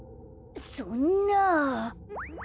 そんな。